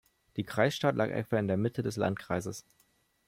Die Kreisstadt lag etwa in der Mitte des Landkreises.